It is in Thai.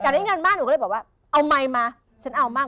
ได้เงินมากหนูก็เลยบอกว่าเอาไมค์มาฉันเอามาก